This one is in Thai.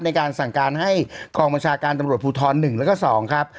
ในการสั่งการให้กองบัญชาการตำรวจภูทร๑แล้วก็๒ครับ